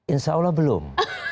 insya allah belum